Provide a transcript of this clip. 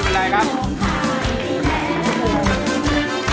แล้ว